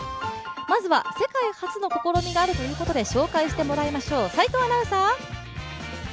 まずは世界初の試みがあるということで紹介してもらいましょう。